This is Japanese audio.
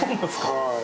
はい。